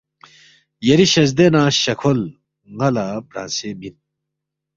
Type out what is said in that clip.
یری شزدے نہ شہ کھول ن٘ا لہ برانگسے مِن